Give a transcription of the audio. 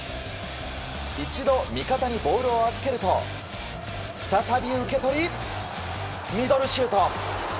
一度、味方にボールを預けると再び受け取り、ミドルシュート！